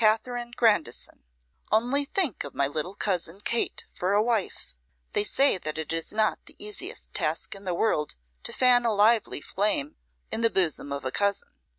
Katherine Grandison: only think of my little cousin Kate for a wife! They say that it is not the easiest task in the world to fan a lively flame in the bosom of a cousin.